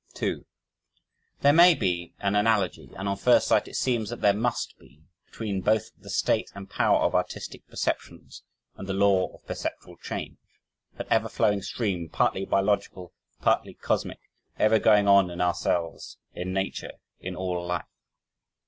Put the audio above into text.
2 There may be an analogy and on first sight it seems that there must be between both the state and power of artistic perceptions and the law of perpetual change, that ever flowing stream partly biological, partly cosmic, ever going on in ourselves, in nature, in all life.